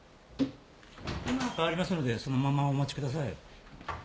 今代わりますのでそのままお待ちください。